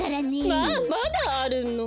まあまだあるの？